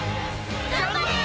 頑張れ！